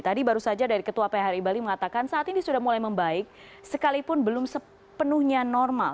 tadi baru saja dari ketua phri bali mengatakan saat ini sudah mulai membaik sekalipun belum sepenuhnya normal